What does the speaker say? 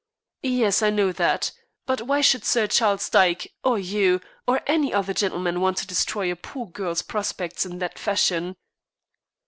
"Yes, I know that. But why should Sir Charles Dyke, or you, or any other gentleman, want to destroy a poor girl's prospects in that fashion?"